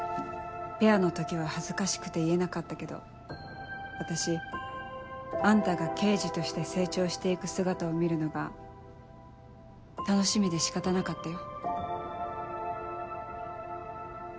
ペアの時は恥ずかしくて言えなかったけど私あんたが刑事として成長して行く姿を見るのが楽しみで仕方なかったよ。